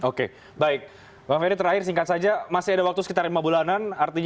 oke baik bang ferry terakhir singkat saja masih ada waktu sekitar lima bulanan